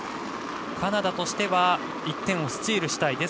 カナダとしては１点をスチールしたい。